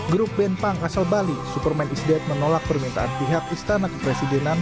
grup band punk asal bali superman is dead menolak permintaan pihak istana kepresidenan